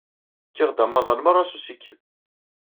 Kkiɣ-d amaḍal merra s usikel.